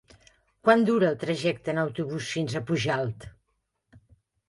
Quant dura el trajecte en autobús fins a Pujalt?